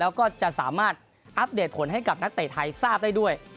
แล้วก็จะสามารถอัปเดตผลให้กับนักเตะไทยทราบได้ด้วย